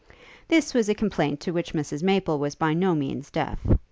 This was a complaint to which Mrs Maple was by no means deaf.